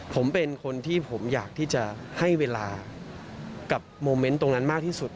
ผมเป็นคนที่ผมอยากที่จะให้เวลากับโมเมนต์ตรงนั้นมากที่สุด